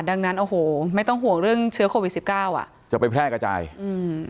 ดังนั้นโอ้โหไม่ต้องห่วงเรื่องเชื้อโควิดสิบเก้าอ่ะจะไปแพร่กระจายอืม